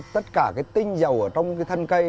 tất cả cái tinh dầu ở trong cái thân cây